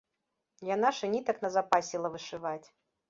Яна ж і нітак назапасіла вышываць.